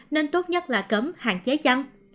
nên tốt nhất là cấm hạn chế chăm